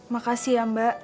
makasih ya mbak